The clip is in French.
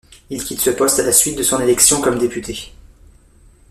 Il quitte ce poste à la suite de son élection comme député.